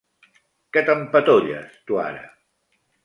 Què t'empatolles, tu ara?